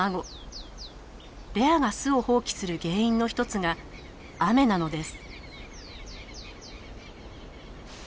レアが巣を放棄する原因の一つが雨なのです。